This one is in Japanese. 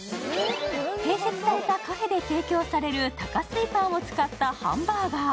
併設されたカフェで提供される多加水パンを使ったハンバーガー。